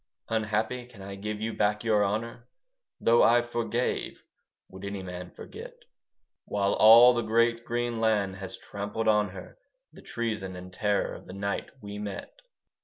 Unhappy, can I give you back your honour? Though I forgave, would any man forget? While all the great green land has trampled on her The treason and terror of the night we met.